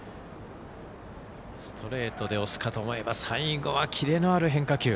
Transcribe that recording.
ストレートで押すかと思えば最後はキレのある変化球。